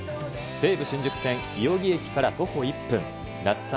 西武新宿線井荻駅から徒歩１分、那須さん